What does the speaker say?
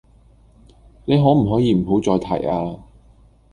你可唔可以唔好再提呀